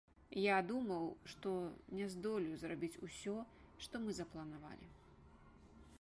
Я думаў, што не здолею зрабіць ўсё, што мы запланавалі.